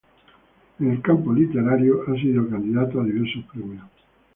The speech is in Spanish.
En el campo literario, ha sido candidato a diversos premios.